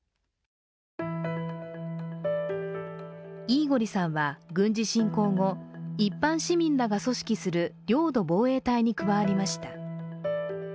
イーゴリさんは、軍事侵攻後一般市民らが組織する領土防衛隊に加わりました。